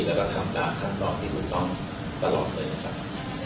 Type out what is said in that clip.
ความแก่งกว่าที่ต้องปรอกเลยครับ